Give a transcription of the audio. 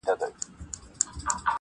شیخان به نه وي ورک به یې پل وي -